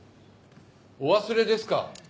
お忘れですか？